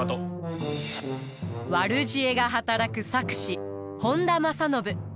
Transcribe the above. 悪知恵が働く策士本多正信。